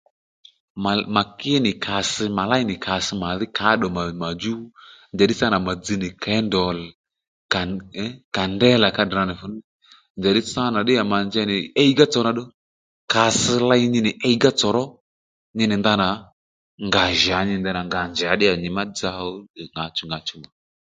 Mà mà kí nì kàss mà léy nì kàss mà dhí káddùmà màdjú njàddí sâ nà mà dzz nì kendòl kàn ee kàndéla ka tdranì fù ní njàddí sâ nà ddíya mà njey nì iygá tsò nà ddó iygá tsòró nyi nì ndanà nga jǎ nyi nì ndanà nga njǎ ddí yà nyìmá dza ò ŋǎchu ŋǎchu nì